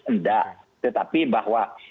tidak tetapi bahwa